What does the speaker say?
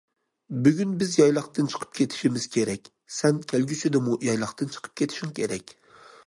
بۈگۈن بىز يايلاقتىن چىقىپ كېتىشىمىز كېرەك، سەن كەلگۈسىدىمۇ يايلاقتىن چىقىپ كېتىشىڭ كېرەك.